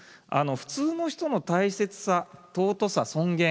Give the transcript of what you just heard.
普通の人の大切さ尊さ尊厳。